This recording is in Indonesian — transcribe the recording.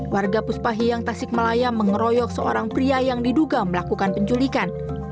warga puspahiyang tasikmalaya mengeroyok seorang pria yang diduga melakukan penculikan